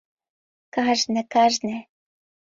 — Кажне, кажне.